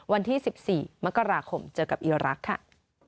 วันที่๑๔มกราคมเจอกับอีรักษ์ค่ะ